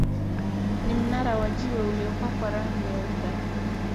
Ni mnara wa jiwe uliopakwa rangi nyeupe.